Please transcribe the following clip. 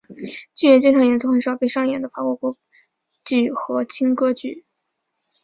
剧院经常演奏很少被上演的法国歌剧和轻歌剧。